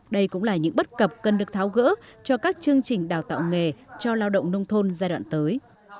đây cũng là những bất cập cần được tháo gỡ cho các chương trình đào tạo nghề cho lao động nông thôn giai đoạn tới